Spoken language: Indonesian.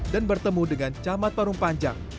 dan bertemu dengan camat parung panjang